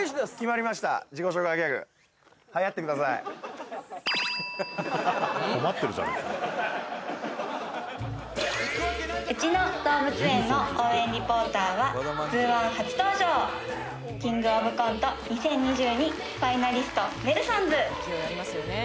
困ってるじゃないうちの動物園の応援リポーターは「ＺＯＯ−１」初登場「キングオブコント２０２２」ファイナリストネルソンズ勢いありますよね